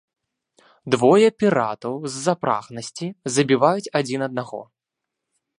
Двое піратаў, з-за прагнасці, забіваюць адзін аднаго.